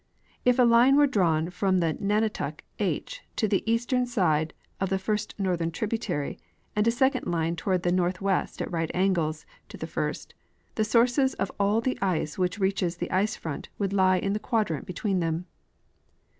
If a line were drawn from the nunatak H to the eastern side of the first northern tributary and a second line toward the northwest at right angles to the first, the sources of all the ice w^hich reaches the ice front would lie in the quadrant between them.